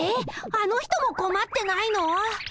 あの人もこまってないの。